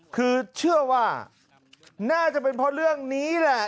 คือเชื่อว่าน่าจะเป็นเพราะเรื่องนี้แหละ